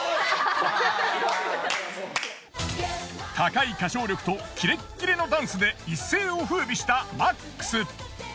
高い歌唱力とキレッキレのダンスで一世を風靡したＭＡＸ。